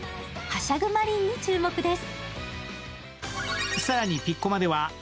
はしゃぐ海夢に注目です。